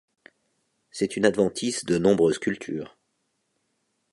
C'est une adventice de nombreuses cultures.